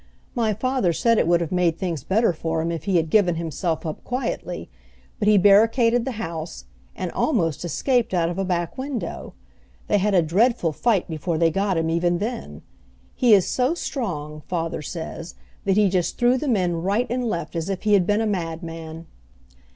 My father said it would have made things better for him if he had given himself up quietly; but he barricaded the house, and almost escaped out of a back window. They had a dreadful fight before they got him even then. He is so strong, father says, that he just threw the men right and left as if he had been a madman."